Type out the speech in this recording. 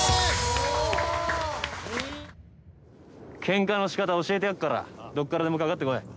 「ケンカのしかた教えてやっからどっからでもかかってこい」